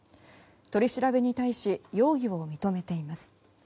取り調べに対し容疑を認めています。